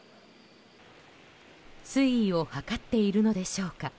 水位を測っているのでしょうか？